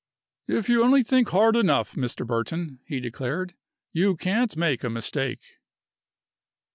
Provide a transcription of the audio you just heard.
"If you only think hard enough, Mr. Burton," he declared, "you can't make a mistake."